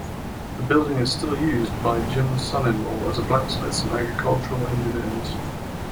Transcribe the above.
The building is still used by Jims son-in-law as a blacksmiths and agricultural engineers.